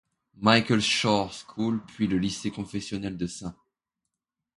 Michael's Choir School, puis le lycée confessionnel de St.